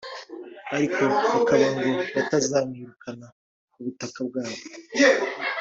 ariko bakaba ngo batazamwirukana ku butaka bwabo